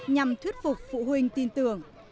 nhằm thuyết phục phụ huynh tin tưởng